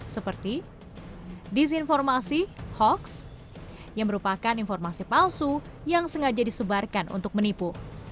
seperti disinformasi hoax yang merupakan informasi palsu yang sengaja disebarkan untuk menipu